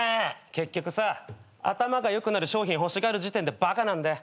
結局さ頭が良くなる商品欲しがる時点でバカなんだよ。